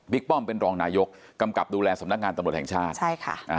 ป้อมเป็นรองนายกกำกับดูแลสำนักงานตำรวจแห่งชาติใช่ค่ะอ่า